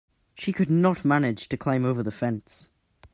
She could not manage to climb over the fence.